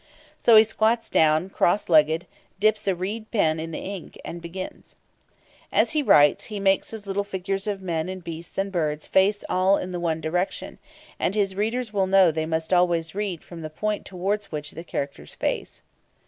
So he squats down, cross legged, dips a reed pen in the ink, and begins. As he writes he makes his little figures of men and beasts and birds face all in the one direction, and his readers will know that they must always read from the point towards which the characters face.